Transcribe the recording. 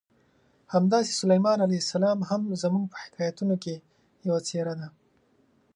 همداسې سلیمان علیه السلام هم زموږ په حکایتونو کې یوه څېره ده.